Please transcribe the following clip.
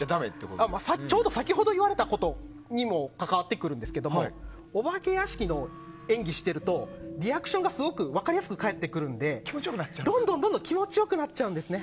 先ほど言われたことにも関わってくるんですけどお化け屋敷の演技してるとリアクションがすごく分かりやすく返ってくるのでどんどん気持ちよくなっちゃうんですね。